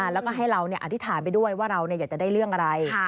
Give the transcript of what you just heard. แล้วก็ให้เราอธิษฐานไปด้วยว่าเราอยากจะได้เรื่องอะไร